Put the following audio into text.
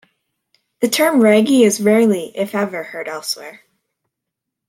The term "raggie" is rarely, if ever, heard elsewhere.